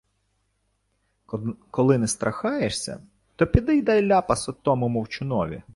— Коли не страхаєшся, то піди й дай ляпаса тому мовчунові...